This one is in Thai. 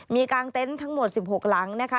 มีกางเต็นต์ทั้งหมด๑๖หลังนะคะ